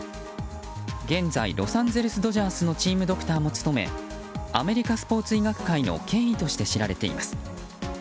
現在ロサンゼルス・ドジャースのチームドクターも務めアメリカスポーツ医学界の権威として知られています。